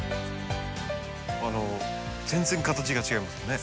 あの全然形が違いますよね。